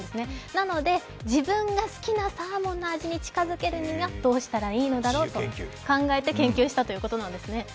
なので、自分が好きなサーモンの味に近づけるにはどうしたらいいのだろうと考えて研究したということなんですね。